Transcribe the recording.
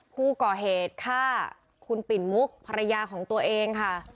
ผู้ก่อเหตุฆ่าคุณปิ่นมุกภรรยาของตัวเองค่ะ